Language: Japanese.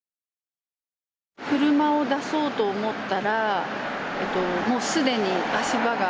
車を出そうと思ったら、もうすでに足場が。